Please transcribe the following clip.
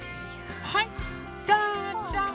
はいどうぞ。